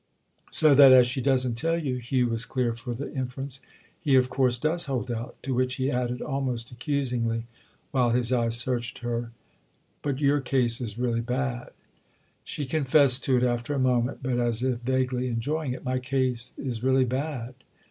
"So that as she doesn't tell you"—Hugh was clear for the inference—"he of course does hold out." To which he added almost accusingly while his eyes searched her: "But your case is really bad." She confessed to it after a moment, but as if vaguely enjoying it. "My case is really bad."